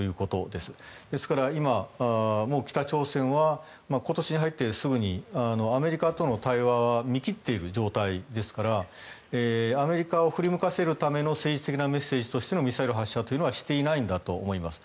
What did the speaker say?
ですから、今、北朝鮮は今年に入ってすぐにアメリカとの対話は見切っている状態ですからアメリカを振り向かせるための政治的メッセージとしてのミサイル発射はしていないんだと思います。